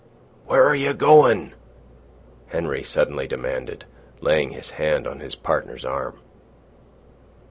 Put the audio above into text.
"Where are you goin'?" Henry suddenly demanded, laying his hand on his partner's arm.